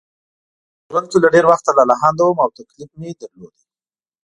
په ژوند کې له ډېر وخته لالهانده وم او تکلیف مې درلود.